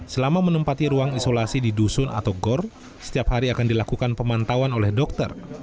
selama menempati ruang isolasi di dusun atau gor setiap hari akan dilakukan pemantauan oleh dokter